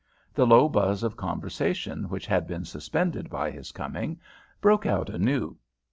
The low buzz of conversation which had been suspended by his coming broke out anew.